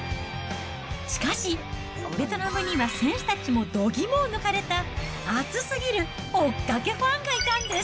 しかし、ベトナムには選手たちもどぎもを抜かれた、熱すぎる追っかけファンがいたんです。